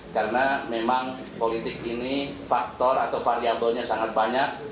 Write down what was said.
karena memang politik ini faktor atau variabelnya sangat banyak